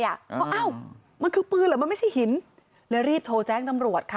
เพราะอ้าวมันคือปืนเหรอมันไม่ใช่หินเลยรีบโทรแจ้งตำรวจค่ะ